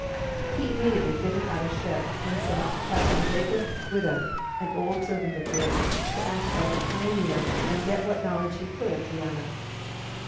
He immediately fitted out a ship, and sent Captain Jacob Whiddon, an old servant of his, to act as a pioneer, and get what knowledge he could of Guiana.